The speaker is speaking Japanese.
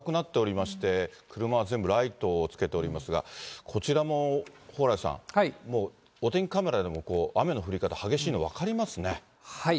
こちら、大分なんですけれども、もう暗くなっておりまして、車は全部ライトをつけておりますが、こちらも蓬莱さん、もうお天気カメラでも雨の降り方、激しいのが分かりますね。